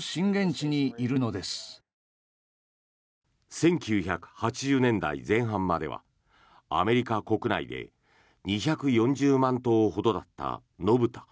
１９８０年代前半まではアメリカ国内で２４０万頭ほどだった野豚。